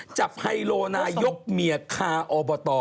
จับไฮโลนายกเมียฆ่าอบต